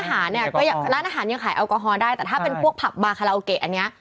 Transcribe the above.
ก็คือร้านอาหารยังขายแอลกอฮอล์ได้